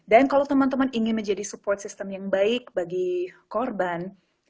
dan kalau teman teman ingin menjadi support system yang baik bagi korban